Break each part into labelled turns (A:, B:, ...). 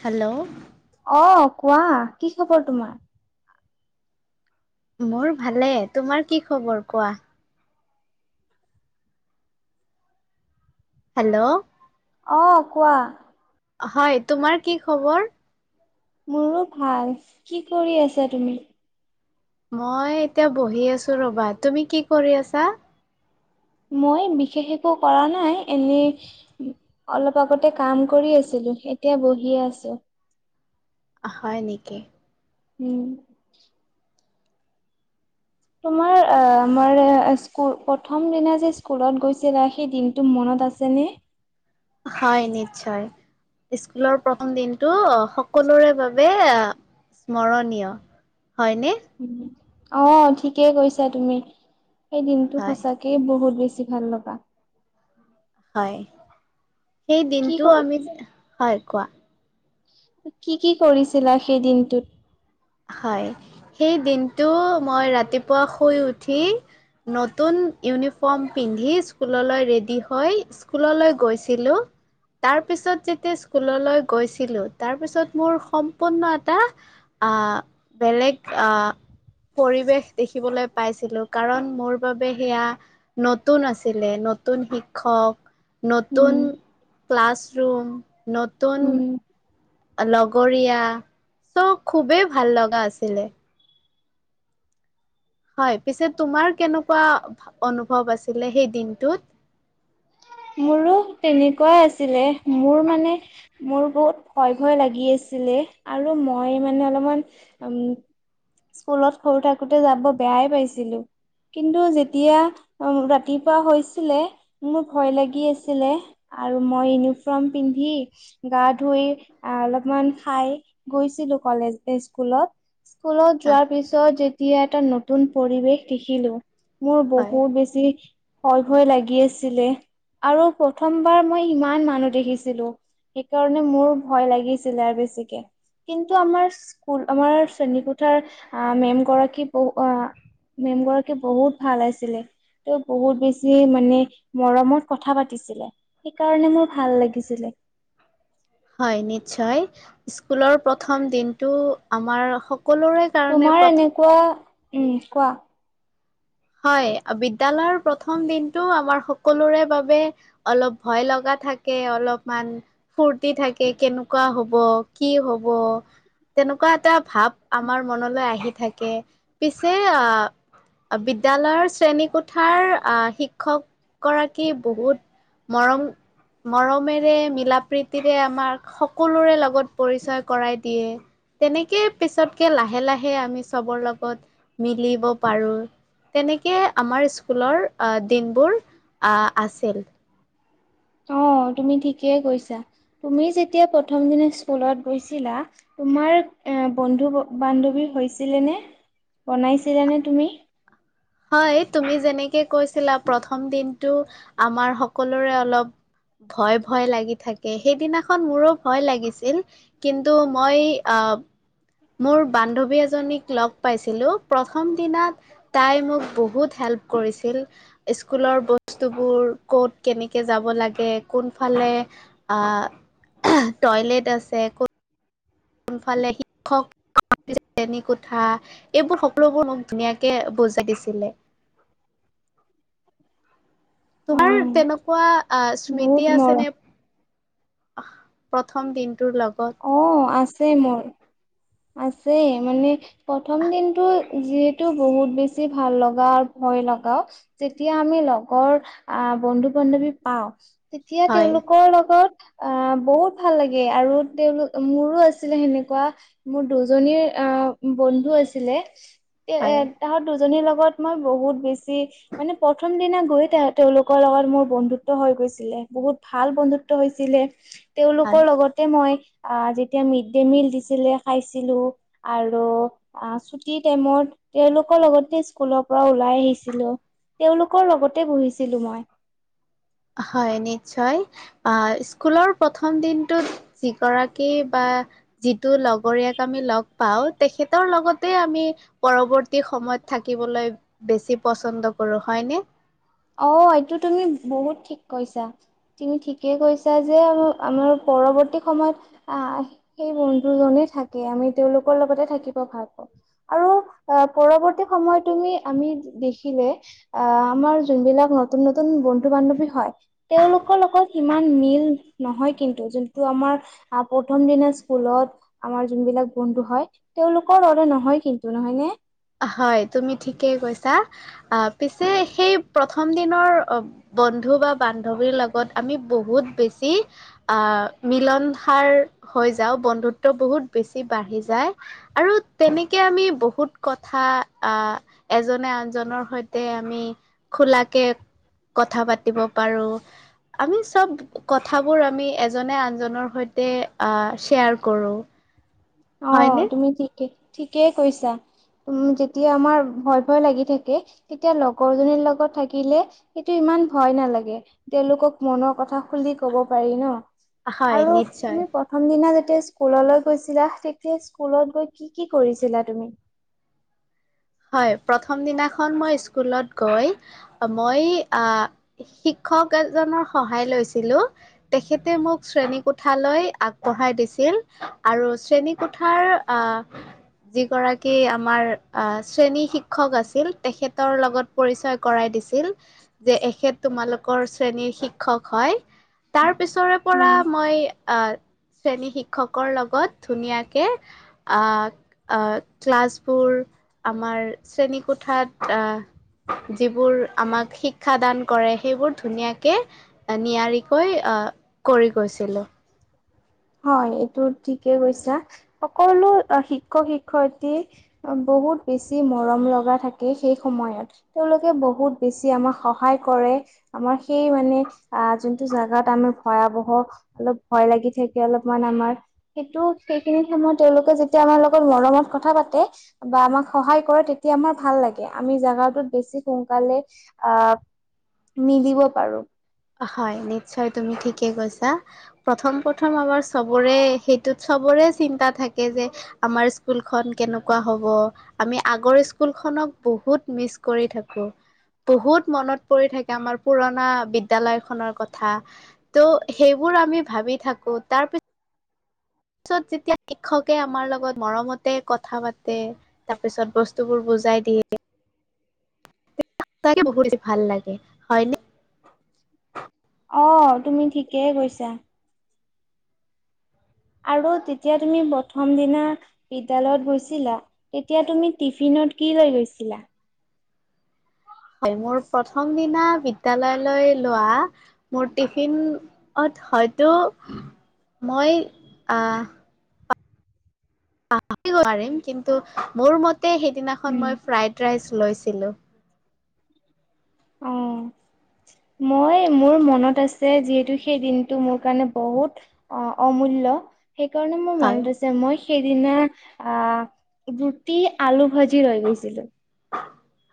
A: Hello
B: অ', কোৱা কি খবৰ তোমাৰ
A: মোৰ ভালে তোমাৰ কি খবৰ কোৱা হেল্ল'
B: অ' কোৱা
A: হয় তোমাৰ কি খবৰ
B: মোৰো ভাল কি কৰি আছা তুমি
A: মই এতিয়া বহি আছো ৰবা তুমি কি কৰি আছা
B: মই বিশেষ একো কৰা নাই এনে অলপ আগতে কাম কৰি আছিলো এতিয়া বহিয়ে আছো
A: অ' হয় নেকি
B: উম তোমাৰ অ' আমাৰ স্কুল প্ৰথম দিনা যে স্কুলত গৈছিলা সেই দিনটো মনত আছে নি
A: হয় নিশ্চয় স্কুলৰ প্ৰথম দিনটো সকলোৰে বাবে অ' স্মৰণীয় হয়নে
B: অ', ঠিকেই কৈছা তুমি সেই দিনতটো
A: হয়
B: সচাকেই বহুত বেছি বেছি ভাল লগা
A: হয় সেই
B: কি
A: দিনটো
B: কৰি
A: আমি হয় কোৱা
B: কি কি কৰিছিলা সেই দিনটোত
A: হয় সেই দিনটো মই ৰাতিপুৱা শুই উঠি নতুন ইউনিফৰ্ম পিন্ধি স্কুললৈ ৰেডি হৈ স্কুললৈ গৈছিলোঁ তাৰপিছত যেতিয়া স্কুললৈ গৈছিলো তাৰপিছত মোৰ সম্পূৰ্ণ এটা অ' বেলেগ অ' পৰিৱেশ দেখিবলৈ পাইছিলো কাৰণ মোৰ বাবে সেয়া নতুন আছিলে নতুন নতুন শিক্ষক
B: উম,
A: নতুন ক্লাছৰুম নতুন
B: উম।
A: লগৰীয়া চব খুবেই ভাল লগা আছিলে। হয় পিছে তোমাৰ কেনেকুৱা অনুভৱ আছিলে সেই দিনটোত?
B: মোৰো তেনেকুৱা আছিলে মোৰ মানে, মোৰ বহুত ভয় ভয় লাগি আ [unintelligible] আৰু মই মানে অলপমান উম স্কুলত সৰু থাকোতে যাব বেয়াই পাইছিলো। কিন্তু যেতিয়া ৰাতিপুৱা হৈছিলে মোক ভয় লাগি আছিলে আৰু মই ইউনিফৰ্ম পিন্ধি গা ধুই আ, অলপ [unintelligible] খাই গৈছিলো কলেজ [unintelligible] স্কুলত। স্কুলত যোৱাৰ পিছত যেতিয়া এটা নতুন পৰিৱেশ দেখিলো। মোৰ
A: হয়
B: বহুত বেছি ভয় ভয় লাগি আছিলে। আৰু প্ৰথমবাৰ মই ইমান মানুহ দেখিছিলো। সেইকাৰণে মোৰ ভয় লাগিছিলে আৰু বেছিকে। কিন্তু আমাৰ স্কুল, আমাৰ শ্ৰেণীকোঠাৰ আ, মেম গৰাকী বু আ মেম গৰাকী বহুত ভাল আছিলে, তেওঁ বহুত বেছি মানে মৰমত কথা পাতিছিলে, সিকাৰণে মোৰ ভাল লাগিছিলে।
A: হয় নিশ্চয়। স্কুলৰ প্ৰথম দিনটো আমাৰ [unintelligible] কাৰণে
B: তোমাৰ
A: প্ৰথম
B: এনেকুৱা, উম কোৱা?
A: হয়, বিদ্যালয়ৰ প্ৰথম দিনটো আমাৰ সকলোৰে বাবে অলপ ভয় লগা। থাকে অলপমান ফূৰ্তি থাকে কেনেকুৱা হব কি হব। তেনেকুৱা এটা ভাব আমাৰ মনলৈ আহি থাকে পিছে আ বিদ্যালয়ৰ শ্ৰেণীকোঠাৰ আ, শিক্ষক গৰাকী বহুত মৰং মৰমেৰে মিলা প্ৰীতিৰে আমাক সকলোৰে লগত পৰিচয় কৰাই দিয়ে। তেনেকে পিছতকে লাহে লাহে আমি চবৰ লগত মিলিব পাৰো। তেনেকে আমাৰ স্কুলৰ আ, দিনবোৰ আ, আছিল। [inaudible]
B: অ', তুমি ঠিকেই কৈছা তুমি যেতিয়া প্ৰথম দিনা স্কুলত গৈছিলা তোমাৰ এ, বন্ধু বান্ধৱী হৈছিলে নে, বনাইছিলে নে তুমি?
A: হয় তুমি যেনেকে কৈছিলা প্ৰথম দিনটো আমাৰ সকলোৰে অলপ ভয় ভয় লাগি থাকে, সেইদিনাখন মোৰো ভয় লাগিছিল কিন্তু মই আ অফ মোৰ বান্ধৱী এজনীক লগ পাইছিলো প্ৰথম দিনাত তাই মোক বহুত হেল্প হেল্প কৰিছিল স্কুলৰ বস্তুবোৰ ক'ত কেনেকে যাব লাগে কোনফালে আ, টয়লেট আছে [unintelligible] সোফালে শিক্ষক চেনী কোঠা এইবোৰ সকলোবোৰ মোক ধুনীয়াকে বুজাই দিছিলে। [inaudible]
B: অ
A: তোমাৰ তেনেকুৱা আ, স্মৃতি
B: বহুত
A: আছে
B: মৰম
A: নে? প্ৰথম দিন
B: অ', আছে মোৰ আছে মানে প্ৰথম দিনতটো যিহেতু বহুত বেছি ভাল লগা আৰু ভয় লগাও যেতিয়া আমি লগৰ আ, বন্ধু বান্ধৱ [unintelligible] পাওঁ তেতিয়া
A: হয়
B: তেওঁলোকৰ লগত আ, বহুত ভাল লাগে আৰু তেওঁলোক মোৰো আছিলে সেনেকুৱা। মোৰ দুজনীৰ আ, বন্ধু আছিলে এ, এ,
A: হয়
B: তাহত দুজনীৰ লগত লগত মই বহুত বেছি মানে প্ৰথম দিনা গৈ তেওঁ - তেওঁলোকৰ লগত মোৰ বন্ধুত্ব হৈ গৈছিলে। বহুত ভাল বন্ধুত্ব হৈছিলে
A: হয়
B: তেওঁলোকৰ লগতে মই আ, যেতিয়া মিড ডে মিল দিছিলে খাইছিলোঁ আৰু আ, চুটি টাইমত তেওঁলোকৰ লগতে স্কুলৰ পৰা ওলাও। পাই আহিছিলো তেওঁলোকৰ লগতে বহিছিলো মই
A: হয় নিশ্চয়, আহ, স্কুলৰ প্ৰথম দিনটোত যিগৰাকী বা [unintelligible] যিটো লগৰীয়াক আমি লগ পাওঁ, তেখেতৰ লগতে আমি পৰৱৰ্তী সম [unintelligible] থাকিবলৈ বেছি পচন্দ কৰোঁ হয়নে?
B: অ এইটো তুমি বহুত ঠিক কৈছা তুমি ঠিকে কৈছা যে আমাৰ [unintelligible] পৰৱৰ্তী সময়ত আহ, সেই বন্ধুজনে থাকে আমি তেওঁলোকৰ লগতে থাকিব ভাল পাওঁ। আৰু পৰৱৰ্তী সময়ত তুমি আমি দেখিলে অ', আমাৰ যোনবিলাক নতুন নতুন বন্ধু বান্ধৱী হয় তেওঁলোকৰ লগত সিমান মিল নহয় কিন্তু যো [unintelligible] আমাৰ প্ৰথম দিনা স্কুলত আমাৰ যোনবিলাক বন্ধু হয়, তেওঁলোকৰ দৰে নহয় [unintelligible] কিন্তু নহয়নে?
A: হয় তুমি ঠিকেই কৈছা আহ পিছে সেই প্ৰথম দিনৰ [unintelligible] বন্ধু বা বান্ধৱীৰ লগত আমি বহুত বেছি আ, মিলনসাৰ হৈ যাও, বন্ধুত্ব বহুত বেছি বাঢ়ি যায় আৰু তেনেকে আমি বহুত কথা আহ এজনে আনজনৰ সৈতে আমি খোলাকে কথা পাতিব পাৰো আমি চব কথাবোৰ আমি এজনে আন জনৰ সৈতে আহ, শ্বেয়াৰ কৰো।
B: অ
A: হয়নে
B: তুমি ঠিকে ঠিকেই কৈছা উম, যেতিয়া আমাৰ ভয় ভয় লাগি থাকে, তেতিয়া লগৰ জনীৰ লগত থাকিলে সেটো ইমান ইমান ভয় নালাগে, তেওঁলোকক মনৰ কথা খুলি কব পাৰি ন'।
A: হয় নিশ্চয়।
B: সেইদিনা যেতিয়া স্কুললৈ গৈছিলা, তেতিয়া স্কুলত গৈ কি কি কৰিছিলা তুমি?
A: [inaudible] হয় প্ৰথম দিনাখন মই স্কুলত গৈ মই আ [unintelligible] [unintelligible] এজনৰ সহায় লৈছিলো তেখেতে মোক শ্ৰেণী কোঠালৈ আগবঢ়াই [unintelligible] [unintelligible] শ্ৰেনী কোঠাৰ আ যিগৰাকী আমাৰ [unintelligible] শ্ৰেণী শিক্ষক আছিল তেখেতৰ লগত পৰিচয় কৰাই দিছিল, যে এখেত তোমালোক কৰ, শ্ৰেণীৰ শিক্ষক হয়, তাৰ পিছৰে পৰা
B: উম।
A: মই আহ শ্ৰেণী শিক্ষকৰ লগত ধুনীয়াকে আহ আহ ক্লাছবো বোৰ, আমাৰ শ্ৰেণী কোঠাত আহ যিবোৰ আমাক শিক্ষ দান কৰে সেইবোৰ ধুনীয়াকে নিয়াৰিকৈ আহ, কৰি গৈছিলে।
B: হয়, এইটো ঠিকে কৈছা সকলো শিক্ষক শিক্ষয়ত্ৰী বহুত বেছি মৰম লগা থাকে সেই সময়ত, তেওঁলোকে বহুত বেছি আমাক সহায় কৰে। [unintelligible] আমাৰ সেই মানে অ যোনটো জোগাত আমাৰ ভয়াৱহ অলপ ভয় লাগি থাক তেওঁলোক আমাৰ, কিন্তু সেইখিনি সময়ত তেওঁলোকে যেতিয়া আমাৰ লগত মৰমত কথা পাতে বা আমাক সহায় কৰে তেতিয়া আমাৰ ভাল লাগে আমি জোগাটোত বেছি সোনকালে আ মিলিব পাৰোঁ।
A: হয় নিশ্চয় তুমি ঠিকে কৈছা, প্ৰথম প্ৰথম আমাৰ চবৰে সেইটোত চব বৰে, চিন্তা থাকে যে আমাৰ স্কুলখন কেনেকুৱা হ'ব, আমি আগৰ স্কুলখনক বহুত মিচ কৰি থাকোঁ, বহুত মনত পৰি থাকে আমাৰ পুৰণা বিদ দ্যালয়খনৰ কথা ত' সেইবোৰ আমি ভাবি থাকোঁ তাৰপিছ পিছত যেতিয়া শিক্ষকে আমাৰ লগত মৰমতে কথা পাতে, তাৰ পিছত বস্তুবোৰ বুজ বুজাই দিয়ে। তাকে বহুত বেছি ভাল লাগে, হয় নে?
B: অ', তুমি ঠিকেই কৈছা। আৰু তেতিয়া তুমি প্ৰথম দিনা বিদ্যালয়ত গৈছিলা তেতিয়া তুমি টিফিন কি লৈ গৈছিলা?
A: হয় মোৰ প্ৰথম দিনা বিদ্যাললৈ লোৱা মোৰ টিফিনত হয়তো মই আহ প কিন্তু মোৰ মতে সেইদিনাখন
B: উম।
A: মই ফ্ৰাইড ৰাইচ লৈছিলো।
B: আহ'। মই মোৰ মনত আছে যিহেতু, সেই দিন টো মোৰ কাৰণে বহুত অ' অমূ ল্য সেই কাৰণে মোৰ
A: হয়
B: মনত আছে, মই সেইদিনা আ' ৰুটি, আলু ভাজি লৈ গৈছিলো।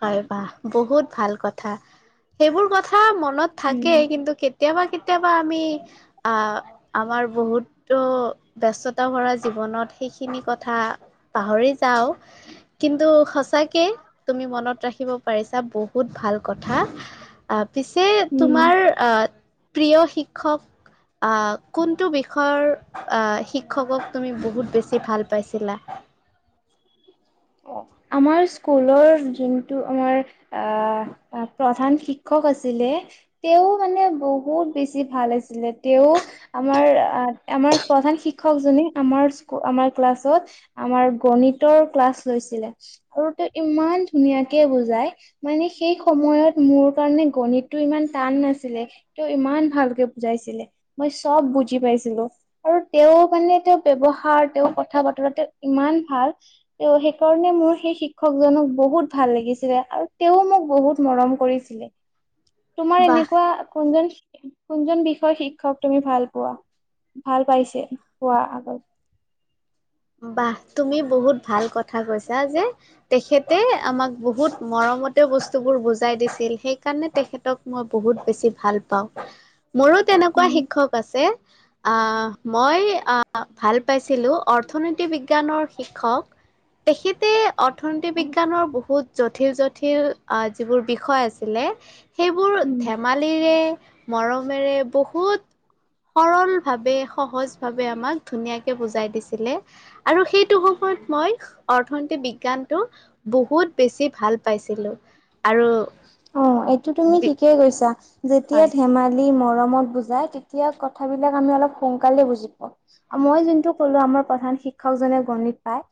A: হয় বা বহুত ভাল কথা সেইবোৰ কথা মনত
B: উম।
A: থাকেই কিন্তু কেতিয়াবা কেতি কেতিয়াবা আমি আহ আমাৰ বহুতো ব্যস্ততা ভৰা জীৱনত সে সিখিনি কথা পাহৰি যাওঁ, কিন্তু সঁচাকে তুমি মনত ৰাখিব পাৰিছা বহুত ভাল কথা আহ। পিছে
B: উম।
A: তোমাৰ প্ৰিয় শিক্ষক আহ, কোনটো বিষয়ৰ অহ'শিক্ষকক তুমি বহুত বেছি ভাল পাইছিলা। [inaudible]
B: আমাৰ স্কুলৰ যোনটো আমাৰ আহ আ প্ৰধান শিক্ষক আছিলে তেওঁ মানে বহুত বেছি ভাল আছিলে। তেওঁ আমাৰ আমাৰ কলে প্ৰধান শিকক জনি আমাৰ শ্চ, আমাৰ ক্লাচত, আমাৰ গণিতৰ ক্লাছ লৈছিলে। আগতে ইমান ধুনীয়াকে বুজাই মানে সেই সময়ত মোৰ কাৰণে গণিতটো ইমান টান নাছিলে, তেওঁ ইমান ভালকে বুজাইছিলে মই চব বুজি পাইছিলো। আৰু তেওঁ মানে, তেওঁ ব্যৱহাৰ, তেওঁ কথা-বতৰা, তেওঁ ইমান ভাল, তেওঁ সেই কাৰণে মই সেই শিক্ষক জনক বহুত ভাল লাগিছিলে। আৰু তেওঁ মোক বহুত মৰম কৰিছিলে। তোমাৰ
A: বাহ
B: এনেকুৱা কোনজন শিক কোনজন বিষয় শিক্ষক তুমি ভাল পোৱা? ভাল পাইছে পোৱা আগত
A: বাহ তুমি বহুত ভাল কথা কৈছা যে, তেখেতে আমাক বহুত মৰম মতে বস্তু বোৰ বুজাই দিছিল সেইকাৰণে তেখেতক মই বহুত বেছি ভাল পাওঁ। মোৰো তেনেকুৱা
B: উম
A: শিক্ষক আছে, অহ', অহ', মই ভাল পাইছিলো অৰ্থ অৰ্থনীতি বিজ্ঞানৰ শিক্ষক, তেখেতে অৰ্থনীতি বিজ্ঞানৰ বহুত যত যথিল-যথিল যিবোৰ বিষয় আছিলে সেইবোৰ
B: উম।
A: ধেমালিৰে মৰমেৰে বহুত সৰল ভাৱে, সহজ ভাৱে আমাক ধুনীয়াকে বুজাই দিছিলে। আৰু সেইটো সময়ত মই অৰ্থনীতিক বিজ্ঞানতটো বহুত বেছি ভাল পাইছো। চিলো।
B: অ, এইটো তুমি ঠিকেই কৈছা, যেতিয়া
A: হয়
B: ধেমালি মৰ মৰমত বুজাই তেতিয়া কথা বিলাক আমি অলপ সোনকালে বুজি পাওঁ। মই যোনটো কলোঁ আমাৰ প্ৰধান শিক্ষকজনে গণিত পায়,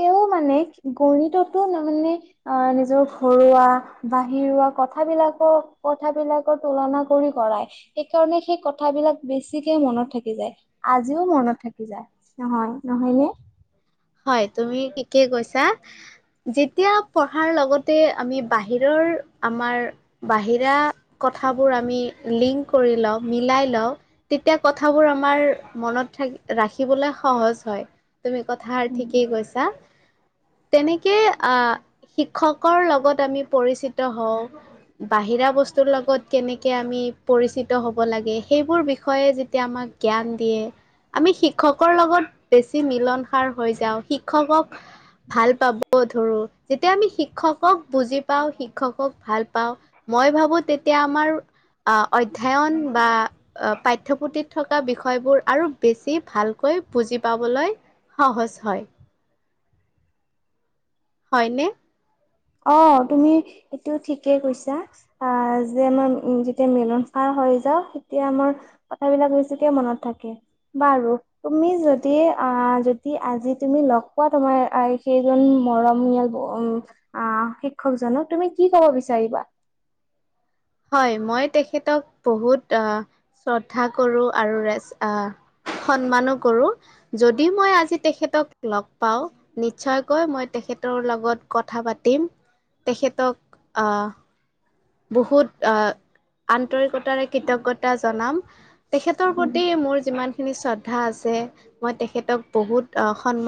B: তেওঁ মানে গণিততো তাৰ মানে আহ নিজৰ ঘৰুৱা বাহিৰোৱা কথাবিলাকক কথাবিলাকৰ তুলনা কৰি কৰাই। সেইকাৰণে সেই কথাবিলাক বিলাক বেছিকে মনত থাকি যায়। আজিও মনত থাকি যায় নহয়-নহয় নে?
A: হয় তুমি ঠিকে কৈছা। যেতিয়া পঢ়াৰ লগতে আমি বাহিৰৰ আমাৰ বাহিৰা ক কথাবোৰ আমি লিংক কৰি লও, মিলাই লও তেতিয়া কথা বোৰ আমাৰ মনত থাকি ৰাখিবলৈ সহজ হয় তুমি কথা
B: উম,
A: ঠিকেই কৈছা। তেনেকে আহ শিক্ষকৰ লগত আমি পৰিচিত হওঁ, বাহিৰ বিৰা বস্তুৰ লগত কেনেকে আমি পৰিচিত হ'ব লাগে সেইবোৰ বিষয়ে যেতিয়া আমাক জ্ঞান দিয়ে আমি শিক্ষকৰ লগত বেছি মিলন সাৰ হৈ যাওঁ শিক্ষকক ভাল পাব ধৰো যেতিয়া আমি শিক্ষকক বুজি পাওঁ, শিক্ষকক ভাল পাওঁ, মই ভাবো তেতিয়া আমাৰ আ অধ্যয়ন বা অ পাঠ্যপুথিত থকা বিষয়বোৰ আৰু বেছি ভালকৈ কৈ বুজি পাবলৈ চ হয়। হয়নে
B: অ', তুমি এইটো ঠিকেই কৈছা অ', যে আমাৰ উম, যেতিয়া মিলন খাৰ হৈ যাওঁ তেতিয়া আমাৰ কথাবিলাক বেছিকে মনত থাকে, বাৰু তুমি যদি অ', যদি আজি তুমি লগ পোৱা তোমাৰ অ', সেইজনী মৰমিয়াল, উম অ', শিক্ষকজনক, তুমি কি ক'ব বিচাৰিবা?
A: হয়, মই তেখেতক বহুত অহ, শ্ৰদ্ধা কৰোঁ আৰু ৰেচ, অহ সন্মানো কৰোঁ, যদি মই আজি তেখেতক লগ পাওঁ নিশ্চয়কৈ মই তেখ খেতৰ লগত কথা পাতিম, তেখেতক অহ বহুত অহ, আন্তৰিকতাৰে কৃতজ্ঞতা জনাম। তেখেতৰ
B: উম
A: প্ৰতি মোৰ যিমানখিনি শ্ৰদ্ধা আছে, মই তেখেতক বহুত অহ, সন্মান